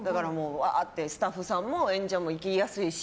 ワーッてスタッフさんも演者も行きやすいし。